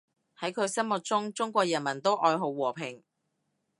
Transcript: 喺佢心目中，中國人民都愛好和平